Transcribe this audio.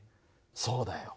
そうだよ。